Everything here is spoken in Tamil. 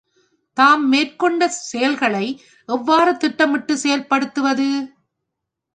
தாம் மேற்கொண்ட செயல்களை எவ்வாறு திட்டமிட்டுச் செயல்படுத்துவது?